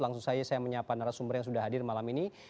langsung saja saya menyapa narasumber yang sudah hadir malam ini